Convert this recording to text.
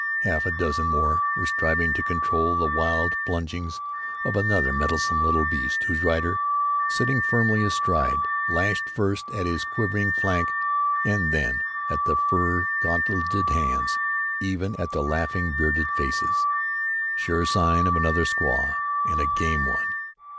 Half a dozen more were striving to control the wild plungings of another mettlesome little beast, whose rider, sitting firmly astride, lashed first at his quivering flank and then at the fur gauntleted hands, even at the laughing, bearded faces sure sign of another squaw, and a game one.